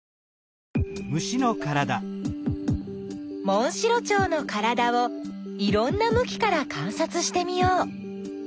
モンシロチョウのからだをいろんなむきからかんさつしてみよう。